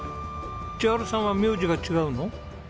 千温さんは名字が違うの？